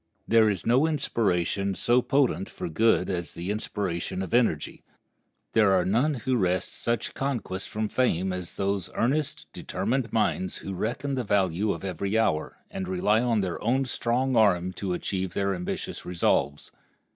There is no inspiration so potent for good as the inspiration of energy. There are none who wrest such conquests from fame as those earnest, determined minds, who reckon the value of every hour, and rely on their own strong arm to achieve their ambitious resolves.